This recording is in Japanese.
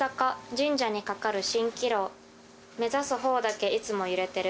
神社にかかる蜃気楼、目指すほうだけいつも揺れてる。